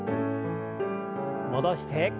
戻して。